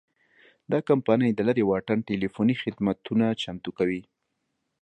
دا کمپنۍ د لرې واټن ټیلیفوني خدمتونه چمتو کوي.